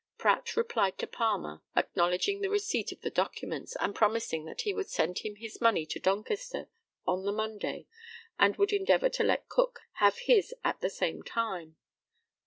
Pratt replied to Palmer, acknowledging the receipt of the documents, and promising that he would send him his money to Doncaster on the Monday, and would endeavour to let Cook have his at the same time.